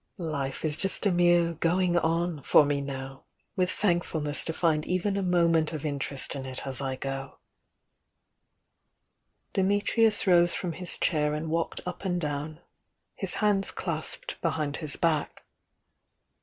"Life is just a mere 'going on' for me now, with thankfulness to find even a mo ment of interest in it as I go'" Dimitrius rose from his chai. and walked up and down, his hands clasped behind his back.